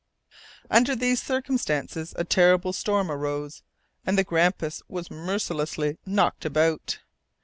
Under these circumstances a terrible storm arose, and the Grampus was mercilessly knocked about.